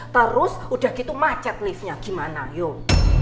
terus udah gitu macet liftnya gimana yuk